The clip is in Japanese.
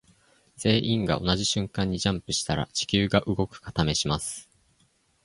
全員が同じ瞬間にジャンプしたら地球が動くか試します。